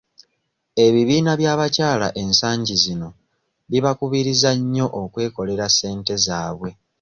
Ebibiina by'abakyala ensangi zino bibakubiriza nnyo okwekolera ssente zaabwe.